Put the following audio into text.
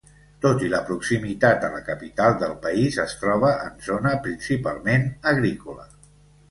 Tot i la proximitat a la capital del país es troba en zona principalment agrícola.